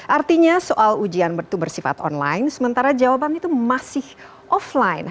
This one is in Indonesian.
artinya soal ujian itu bersifat online sementara jawaban itu masih offline